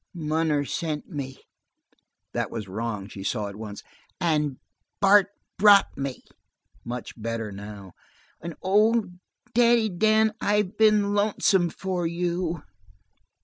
"Munner sent me." That was wrong, she saw at once. "And Bart brought me." Much better, now. "And oh, Daddy Dan, I've been lonesome for you!"